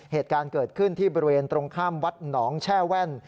เหตุการณ์เกิดขึ้นที่บริเวณตรงข้ามวัดหนองแช่แว่น